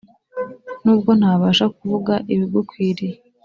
Nubwo ntabasha kuvuga ibigukwiriye